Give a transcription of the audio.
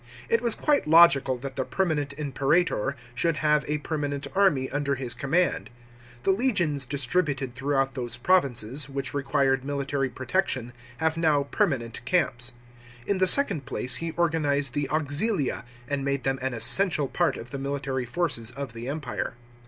It was quite logical that the permanent imperator should have a permanent army under his command. The legions distri buted throughout those provinces, which required military protec tion, have now permanent camps. In the second place, he organised the auxilia, and made them an essential part of the military forces of the Empire.